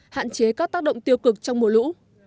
hạn chế các tác động tiêu cực trong mùa lũ